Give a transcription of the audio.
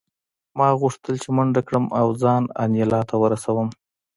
ما غوښتل چې منډه کړم او ځان انیلا ته ورسوم